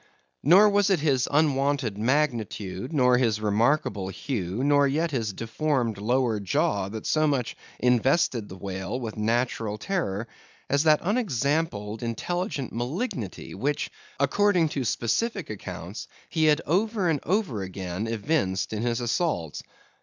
Nor was it his unwonted magnitude, nor his remarkable hue, nor yet his deformed lower jaw, that so much invested the whale with natural terror, as that unexampled, intelligent malignity which, according to specific accounts, he had over and over again evinced in his assaults.